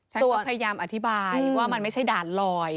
ตัวพยายามอธิบายว่ามันไม่ใช่ด่านลอย